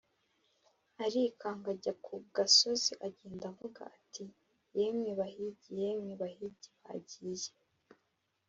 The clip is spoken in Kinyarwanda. arikanga, ajya ku gasozi, agenda avuga ati: “yemwe bahigi, yemwe bahigi bagiye